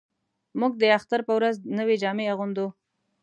موږ د اختر په ورځ نوې جامې اغوندو